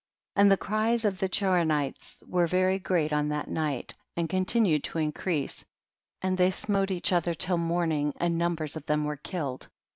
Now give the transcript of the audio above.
And the cries of the Chori niles were very great on that night, and continued to increase, and they smote each other till morning, and numbers of them were killed.